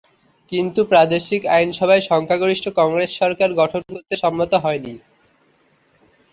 কিন্তু প্রাদেশিক আইনসভায় সংখ্যাগরিষ্ঠ কংগ্রেস সরকার গঠন করতে সম্মত হয়নি।